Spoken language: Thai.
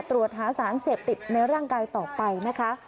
ตรวจหาสารเสพติดในร่างกายต่อไปนะคะ